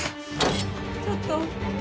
ちょっと。